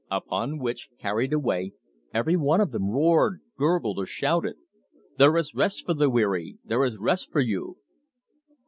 Upon which, carried away, every one of them roared, gurgled, or shouted "There is rest for the weary, There is rest for you!"